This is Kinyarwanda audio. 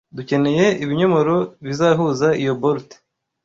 Dukeneye ibinyomoro bizahuza iyo bolt. (fcbond)